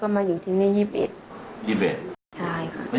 มาอยู่กี่คืน